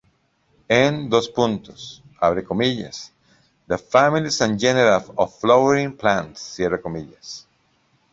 En: "The Families and Genera of Flowering Plants.".